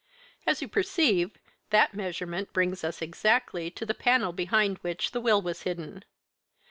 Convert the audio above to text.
As you perceive, that measurement brings us exactly to the panel behind which the will was hidden.